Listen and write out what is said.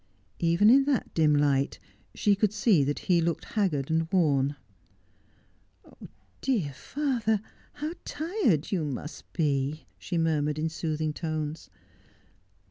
Even in that dim light she could see that he looked haggard and worn. 'Dear father, how tired you must be !' she murmured, in soothing tones.